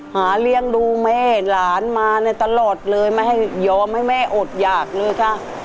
หาเลี้ยงดูแม่หลานมาตลอดเลยยอมให้แม่อดอยากเลยค่ะ